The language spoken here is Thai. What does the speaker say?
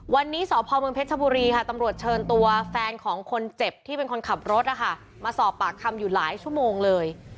วันนี้สพเมืองเพชรชบุรีค่ะตำรวจเชิญตัวแฟนของคนเจ็บที่เป็นคนขับรถนะคะมาสอบปากคำอยู่หลายชั่วโมงเลย